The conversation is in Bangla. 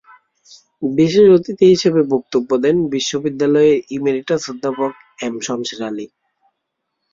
বিশেষ অতিথি হিসেবে বক্তব্য দেন বিশ্ববিদ্যালয়ের ইমেরিটাস অধ্যাপক এম শমশের আলী।